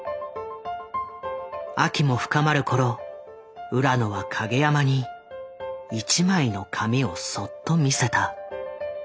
秋も深まる頃浦野は影山に一枚の紙をそっと見せた。